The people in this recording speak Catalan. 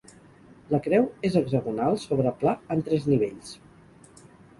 La creu és hexagonal sobre pla, en tres nivells.